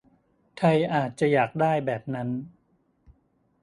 ไทยอาจจะอยากได้แบบนั้น